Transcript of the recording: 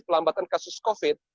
pelambatan kasus covid sembilan belas